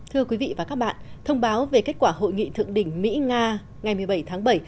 thưa quý vị và các bạn thông báo về kết quả hội nghị thượng đỉnh mỹ nga ngày một mươi bảy tháng bảy